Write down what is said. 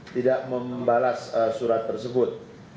tidak membalas surat tersebut